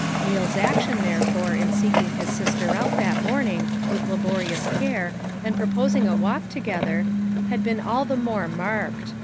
NeaPs action there fore in seeking his sister out that morning with laborious care and proposing a walk together, had been all the more marked.